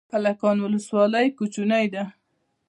کلکان ولسوالۍ کوچنۍ ده؟